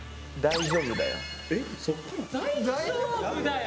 「大丈夫だよ」？